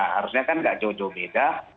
harusnya kan nggak jauh jauh beda